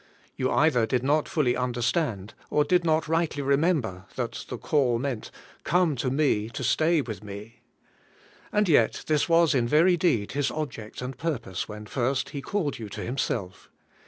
You either did not fully understand, or did not rightly remember, that the call meant, 'Come to me to stay with me,^ And yet this was in very deed His object and purpose when first He called you to Himself.